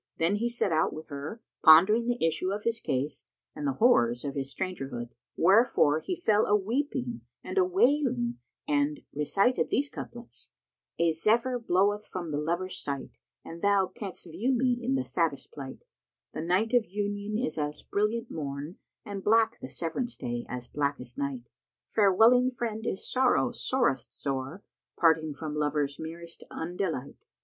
Then he set out with her, pondering the issue of his case and the horrors of his strangerhood; wherefore he fell a weeping and a wailing and recited these couplets, "A Zephyr bloweth from the lover's site; * And thou canst view me in the saddest plight: The Night of Union is as brilliant morn; * And black the Severance day as blackest night: Farewelling friend is sorrow sorest sore * Parting from lover's merest undelight.